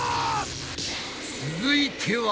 続いては。